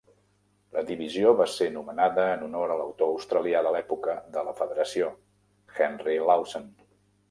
La divisió va ser nomenada en honor a l'autor australià de l'època de la Federació, Henry Lawson.